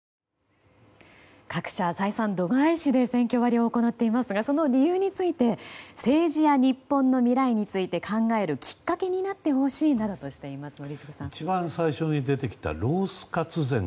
各社、採算度外視で選挙割を行っていますがその理由について政治や日本の未来について考えるきっかけになってほしいなどとしています、宜嗣さん。